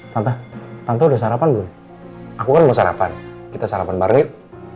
tante tante udah sarapan belum aku kan mau sarapan kita sarapan barrit